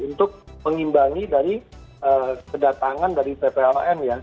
untuk mengimbangi dari kedatangan dari ppln ya